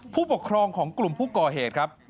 ผู้ปกครองของกลุ่มผู้ก่อเหตุครับ